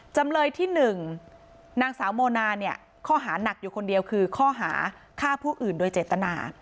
จำเลยที่๑นางสาวโมนาเนี่ยข้อหานักอยู่คนเดียวคือข้อหาฆ่าผู้อื่นโดยเจตนา